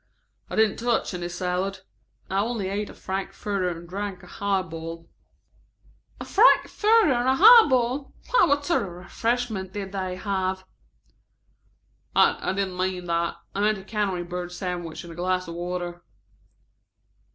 "I didn't touch any salad. I only ate a frankfurter and drank a high ball " "A frankfurter and a high ball! Why, what sort of refreshments did they have?" "I didn't mean that. I meant a canary bird sandwich and a glass of water."